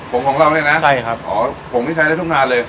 ปรุงของเราเลยนะโอ้ภงที่ได้ตามณเลย